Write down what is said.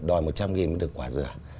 đòi một trăm linh nghìn mới được quả dừa